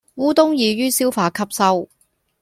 烏冬易於消化吸收